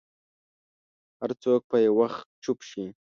هر څوک به یو وخت چوپ شي.